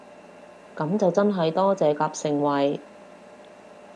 噉就真係多謝夾盛惠